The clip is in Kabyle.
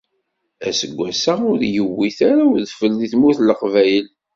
Aseggas-a ur yuwit ara udfel deg tmurt n Leqbayel.